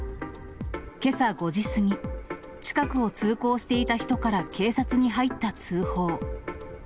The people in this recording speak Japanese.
けさ５時過ぎ、近くを通行していた人から警察に入った通報。